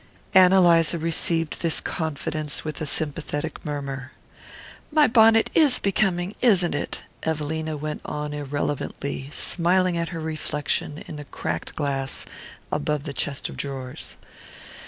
Ann Eliza received this confidence with a sympathetic murmur. "My bonnet IS becoming, isn't it?" Evelina went on irrelevantly, smiling at her reflection in the cracked glass above the chest of drawers.